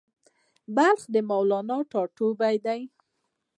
بلخ د مولانا ټاټوبی دی